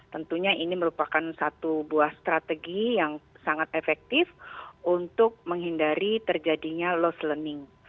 tentunya ini merupakan satu buah strategi yang sangat efektif untuk menghindari terjadinya lost learning